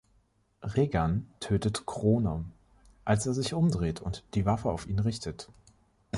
Regan tötet Kroner, als er sich umdreht und die Waffe auf ihn richtet.